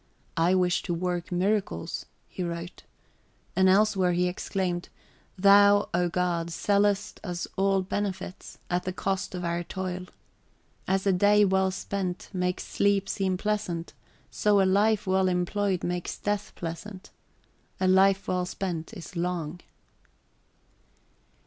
"I wish to work miracles," he wrote. And elsewhere he exclaimed, "Thou, O God, sellest us all benefits, at the cost of our toil.... As a day well spent makes sleep {xiii} seem pleasant, so a life well employed makes death pleasant. A life well spent is long."